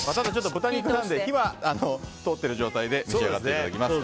豚肉なので火は通っている状態で召し上がっていただきます。